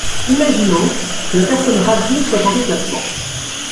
Imaginons que la personne radiée soit en déplacement.